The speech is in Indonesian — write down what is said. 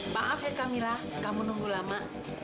maaf ya kamila kamu nunggulah mak